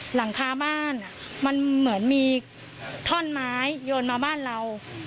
หลังคาบ้านมันเหมือนมีท่อนไม้โยนมาบ้านเรา